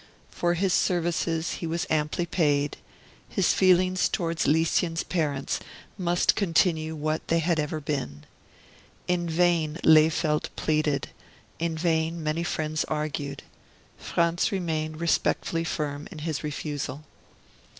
For his services he was amply paid; his feelings towards Lieschen's parents must continue what they had ever been. In vain Lehfeldt pleaded, in vain many friends argued. Franz remained respectfully firm in his refusal.